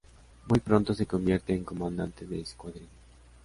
Muy pronto se convierte en comandante de escuadrilla.